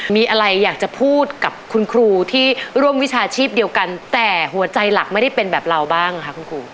มีอะไรอยากจะพูดกับคุณครูที่ร่วมวิชาชีพเดียวกันแต่หัวใจหลักไม่ได้เป็นแบบเราบ้างค่ะคุณครู